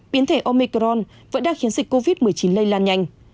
biến thể omicron vẫn đang khiến dịch covid một mươi chín lây lan nhanh